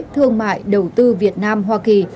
thương mại đầu tư việt nam hoa kỳ